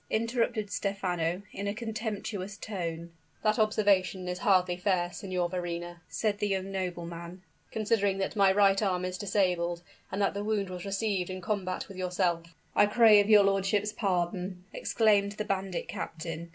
interrupted Stephano, in a contemptuous tone. "That observation is hardly fair, Signor Verrina," said the young nobleman; "considering that my right arm is disabled, and that the wound was received in combat with yourself." "I crave your lordship's pardon," exclaimed the bandit captain.